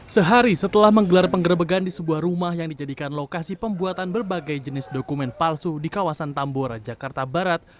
sehari setelah menggelar penggerbegan di sebuah rumah yang dijadikan lokasi pembuatan berbagai jenis dokumen palsu di kawasan tambora jakarta barat